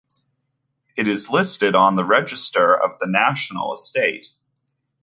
It is listed on the Register of the National Estate.